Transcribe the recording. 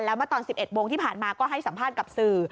แล้วเมื่อตอน๑๑โมงที่ผ่านมาก็ให้สัมภาษณ์กับสื่อ